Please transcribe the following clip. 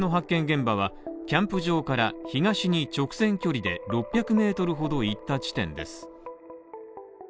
現場はキャンプ場から東に直線距離で６００ｍほど行った地点です。